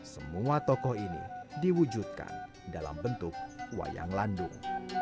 semua tokoh ini diwujudkan dalam bentuk wayang landung